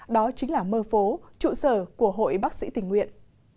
đó chính là mơ phố trụ sở của hội bác sĩ tình nguyện